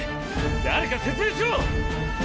誰か説明しろ！